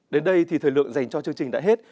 đến đây thì thời lượng dành cho chương trình đã hết